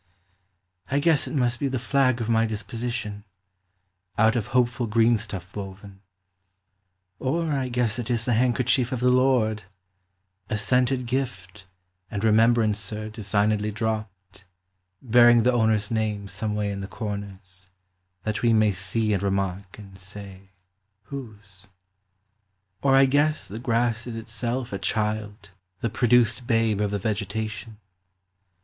I guess it must be the flag of my disposition, out of hopeful green stuff woven. TIME. 199 Or I guess it is the handkerchief of the Lord, A scented gift and remembrancer designedly dropped, Bearing the owner's name someway in the corners, that we may see and remark, and say Whose f Or I guess the grass is itself a child, the produced babe of the vegetation.